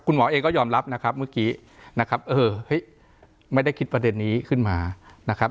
หมอเองก็ยอมรับนะครับเมื่อกี้นะครับเออเฮ้ยไม่ได้คิดประเด็นนี้ขึ้นมานะครับ